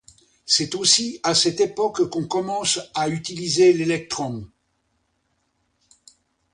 C'est aussi à cette époque qu'on commence à utiliser l'électrum.